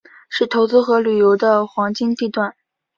是投资和旅游的黄金地段。